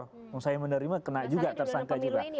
kalau saya menerima kena juga tersangka juga